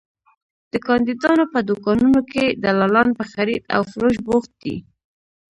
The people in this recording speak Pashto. د کاندیدانو په دوکانونو کې دلالان په خرید او فروش بوخت دي.